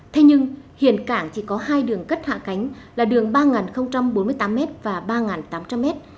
thế nhưng hiện cảng chỉ có hai đường cất hạ cánh là đường ba bốn mươi tám m và ba tám trăm linh m